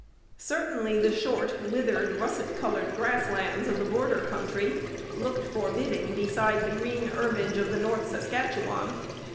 Certainly the short, withered, russet coloured grass lands of the border country looked forbidding beside the green herbage of the North Saskatchewan.